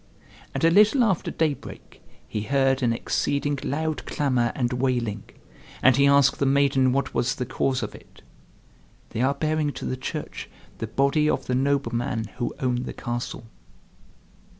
And a little after daybreak he heard an exceeding loud clamor and wailing, and he asked the maiden what was the cause of it. "They are bearing to the church the body of the nobleman who owned the castle."